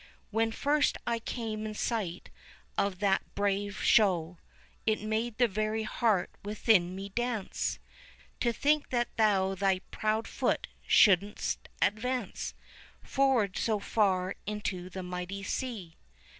When first I came in sight of that brave show, It made the very heart within me dance, To think that thou thy proud foot shouldst advance Forward so far into the mighty sea.